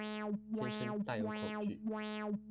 天生帶有恐懼